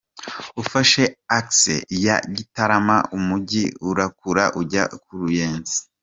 Ufashe axe ya Gitarama umugi urakura ujya ku Ruyenzi.